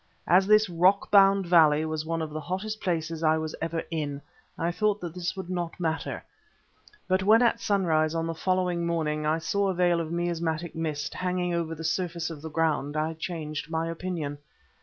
As this rock bound valley was one of the hottest places I ever was in, I thought that this would not matter; but when at sunrise on the following morning I saw a veil of miasmatic mist hanging over the surface of the ground, I changed my opinion.